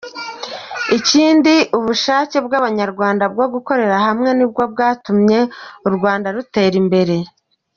Ikindi, ubushake bw’abanyarwanda bwo gukorera hamwe nibwo bwatumye u Rwanda rutera imbere’’.